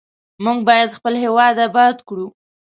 موږ باید خپل هیواد آباد کړو.